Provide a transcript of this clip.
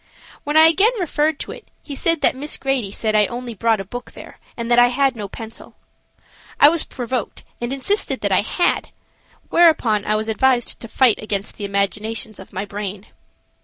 When I again referred to it, he said that Miss Grady said I only brought a book there; and that I had no pencil. I was provoked, and insisted that I had, whereupon I was advised to fight against the imaginations of my brain.